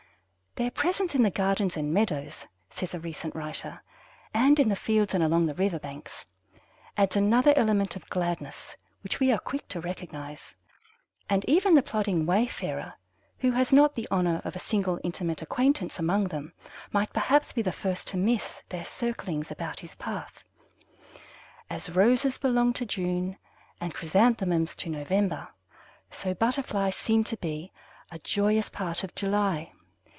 "Their presence in the gardens and meadows," says a recent writer, "and in the fields and along the river banks, adds another element of gladness which we are quick to recognize, and even the plodding wayfarer who has not the honor of a single intimate acquaintance among them might, perhaps, be the first to miss their circlings about his path. As roses belong to June, and chrysanthemums to November, so Butterflies seem to be a joyous part of July.